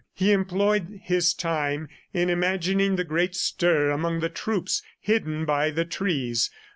He employed his time in imagining the great stir among the troops hidden by the trees.